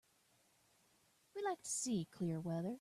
We like to see clear weather.